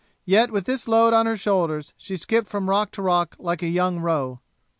Yet with this load on her shoulders, she skipped from rock to rock like a young roe.'